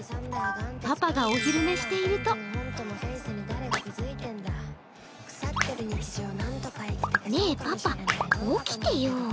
パパがお昼寝しているとねえ、パパ、起きてよ。